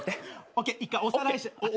ＯＫ１回おさらい。ＯＫ？